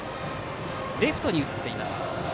レフトに移っています。